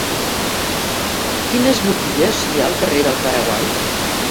Quines botigues hi ha al carrer del Paraguai?